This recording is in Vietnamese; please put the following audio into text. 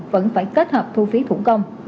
vẫn phải kết hợp thu phí thủ công